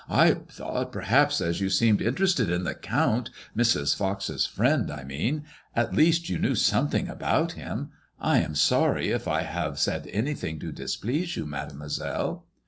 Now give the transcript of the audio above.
''I thought, perhaps, as you seemed interested in the Count, Mrs. Fox's friend I mean — at least you knew something about him. I am sorry if I have said anything to displease you, Mademoiselle."